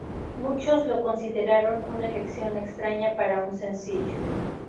Muchos lo consideraron una elección extraña para un sencillo.